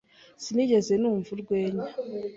Sinigeze numva urwenya.